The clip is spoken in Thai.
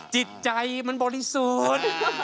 จิตใจมันบริสุทธิ์